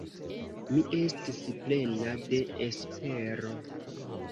Mi estis plena de espero.